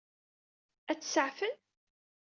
Ad tt-saɛfen?